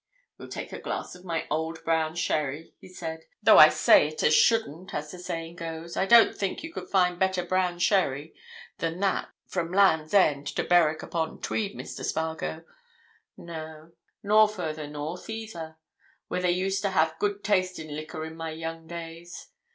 "We'll take a glass of my old brown sherry," he said. "Though I say it as shouldn't, as the saying goes, I don't think you could find better brown sherry than that from Land's End to Berwick upon Tweed, Mr. Spargo—no, nor further north either, where they used to have good taste in liquor in my young days!